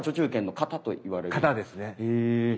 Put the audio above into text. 形ですね。